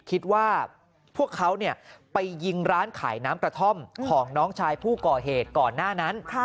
คิดว่าพวกเขาไปยิงร้านขายน้ำกระท่อมของน้องชายผู้ก่อเหตุก่อนหน้านั้น